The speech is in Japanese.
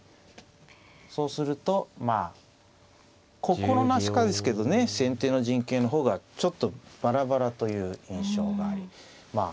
そうするとまあ心なしかですけどね先手の陣形の方がちょっとバラバラという印象がありまあ